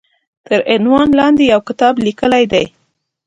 تر عنوان لاندې يو کتاب ليکلی دی